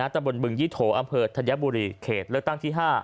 ตำบลบึงยี่โถอำเภอธัญบุรีเขตเลือกตั้งที่๕